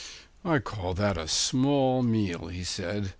'I call that a small meal,' he said.